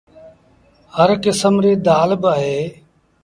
هر ڪسم ريٚ دآل با اهي۔